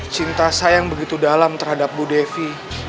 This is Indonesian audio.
cinta saya yang begitu dalam terhadap bu devi